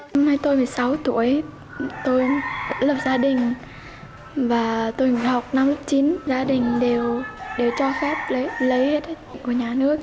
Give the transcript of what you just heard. hôm nay tôi một mươi sáu tuổi tôi lập gia đình và tôi học năm lớp chín gia đình đều để cho phép lấy hết của nhà nước